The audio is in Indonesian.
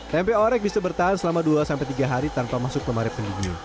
tempe orek bisa bertahan selama dua tiga hari tanpa masuk ke maripun ini